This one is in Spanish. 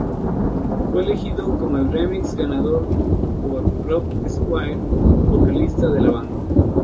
Fue elegido como el remix ganador por Rob Swire, vocalista de la banda.